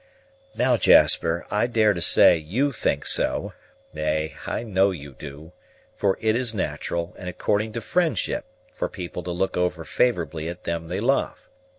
"Now, Jasper, I dare to say you think so, nay, I know you do; for it is nat'ral, and according to friendship, for people to look over favorably at them they love.